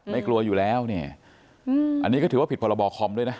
กลัวอยู่แล้วเนี่ยอันนี้ก็ถือว่าผิดพรบคอมด้วยนะ